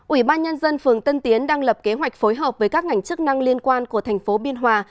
ủy ban nhân dân phường tân tiến đang lập kế hoạch phối hợp với các ngành chức năng liên quan của thành phố biên hòa